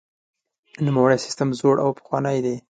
نوموړی سیستم زوړ او پخوانی دی.